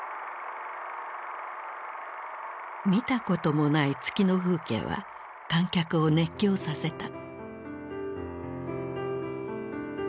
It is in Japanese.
見たこともない月の風景は観客を熱狂させた。